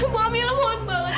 bu amira mohon bantu